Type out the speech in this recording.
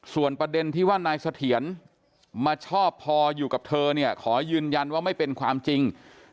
ส่วนประเด็นที่ว่านายเสถียรมาชอบพออยู่กับเธอเนี่ยขอยืนยันว่าไม่เป็นความจริง